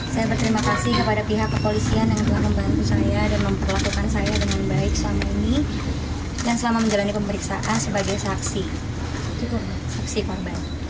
saya berterima kasih kepada pihak kepolisian yang telah membantu saya dan memperlakukan saya dengan baik selama ini dan selama menjalani pemeriksaan sebagai saksi korban